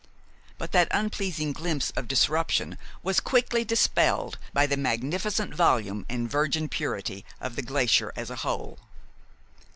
But that unpleasing glimpse of disruption was quickly dispelled by the magnificent volume and virgin purity of the glacier as a whole.